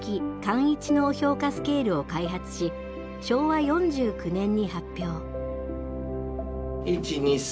簡易知能評価スケールを開発し昭和４９年に発表。